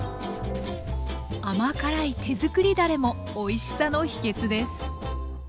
甘辛い手づくりだれもおいしさの秘けつです。